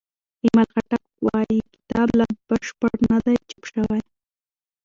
ایمل خټک وايي کتاب لا بشپړ نه دی چاپ شوی.